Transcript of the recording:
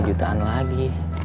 lima jutaan lagi